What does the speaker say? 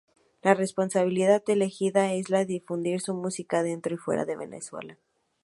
La responsabilidad elegida es la de difundir su música dentro y fuera de Venezuela.